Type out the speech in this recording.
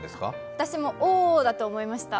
私も「おー」だと思いました。